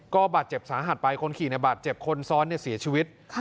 ก็บาดเจ็บสาหัสไปคนขี่ในบาดเจ็บคนซ้อนเสียชีวิต